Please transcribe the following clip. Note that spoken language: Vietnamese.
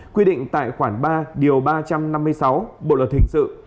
quy định tại khoản ba điều ba trăm năm mươi sáu bộ luật hình sự